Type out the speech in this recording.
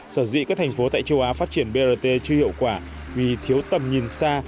sở dĩ các thành phố tại châu á phát triển brt chưa hiệu quả vì thiếu tầm nhìn xa